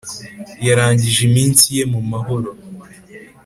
yarangije iminsi ye mu mahoro